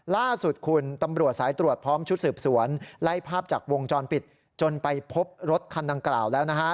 ล่าสุดคุณตำรวจสายตรวจพร้อมชุดสืบสวนไล่ภาพจากวงจรปิดจนไปพบรถคันดังกล่าวแล้วนะฮะ